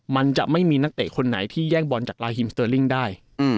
มันจะไม่มีนักเตะคนไหนที่แย่งบอลจากลาฮิมสเตอร์ลิ่งได้